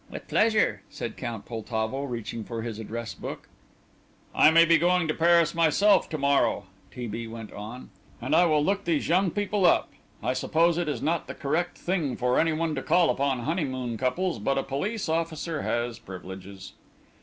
"With pleasure," said Count Poltavo, reaching for his address book. "I may be going to Paris myself to morrow," T. B. went on, "and I will look these young people up. I suppose it is not the correct thing for any one to call upon honeymoon couples, but a police officer has privileges."